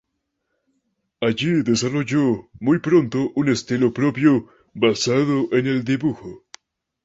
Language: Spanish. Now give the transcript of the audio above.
Allí desarrolló muy pronto un estilo propio, basado en el dibujo.